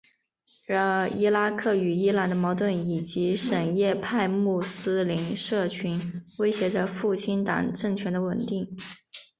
然而伊拉克与伊朗的矛盾以及什叶派穆斯林社群威胁着复兴党政权的稳定。